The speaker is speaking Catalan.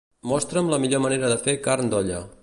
Mostra'm la millor manera de fer carn d'olla.